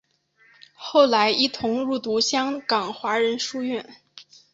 后来一同入读香港华仁书院。